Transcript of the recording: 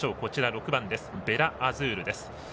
６番、ヴェラアズールです。